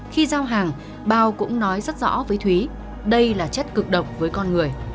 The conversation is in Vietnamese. khi giao hàng bao cũng nói rất rõ với thúy đây là chất cực độc với con người